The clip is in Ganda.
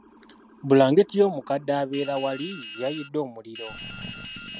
Bbulangiti y'omukadde abeera wali yayidde omuliro.